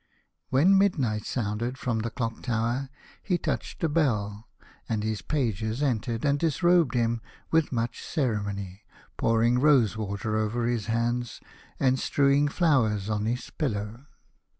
When midnight sounded from the clock tower he touched a bell, and his pages entered and disrobed him with much ceremony, pour ing rose water over his hands, and strewing flowers on his pillow.